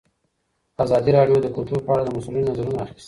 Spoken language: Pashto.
ازادي راډیو د کلتور په اړه د مسؤلینو نظرونه اخیستي.